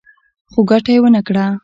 خو ګټه يې ونه کړه.